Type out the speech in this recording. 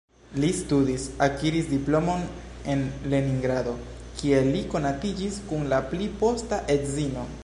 Li studis, akiris diplomon en Leningrado, kie li konatiĝis kun la pli posta edzino.